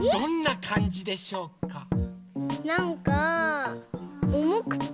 なんかおもくて。